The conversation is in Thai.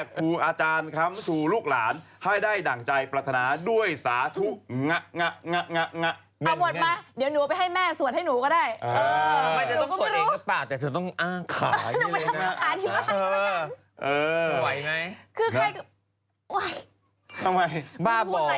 คุณมาร์ค่ะคุณช่วยปิดเสียงโทรศัพท์ก็นิดหนึ่งนะฮะ